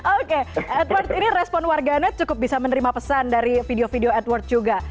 oke edward ini respon warganet cukup bisa menerima pesan dari video video edward juga